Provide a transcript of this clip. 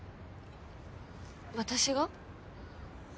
私が？